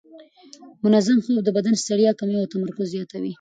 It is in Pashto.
منظم خوب د بدن ستړیا کموي او تمرکز زیاتوي.